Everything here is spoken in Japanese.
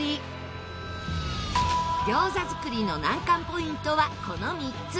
餃子作りの難関ポイントはこの３つ。